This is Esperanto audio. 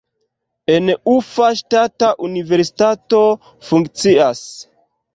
En Ufa ŝtata universitato funkcias.